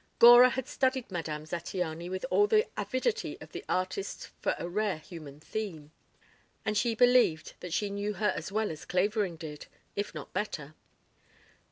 Gora had studied Madame Zattiany with all the avidity of the artist for a rare human theme, and she believed that she knew her as well as Clavering did, if not better.